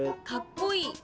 「かっこいい」。